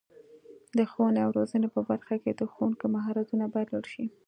د ښوونې او روزنې په برخه کې د ښوونکو مهارتونه باید لوړ شي.